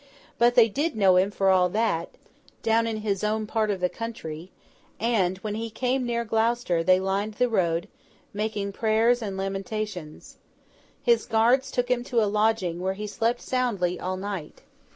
But, they did know him for all that, down in his own part of the country; and, when he came near Gloucester, they lined the road, making prayers and lamentations. His guards took him to a lodging, where he slept soundly all night.